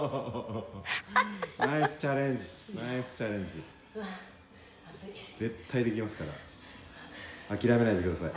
「ナイスチャレンジナイスチャレンジ」「うわ暑い」「絶対できますから諦めないでください」